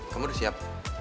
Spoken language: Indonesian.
kamu udah siap